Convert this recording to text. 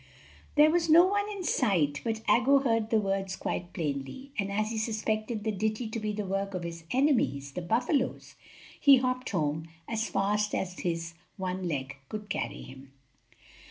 = There was no one in sight, but Aggo heard the words quite plainly, and as he suspected the ditty to be the work of his enemies, the buffalos, he hopped home as fast as his one leg could carry him.